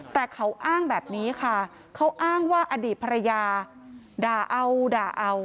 แต่เขาอ้างแบบนี้ค่ะเขาอ้างว่าอดีตภรรยาด่าเอาด่าเอา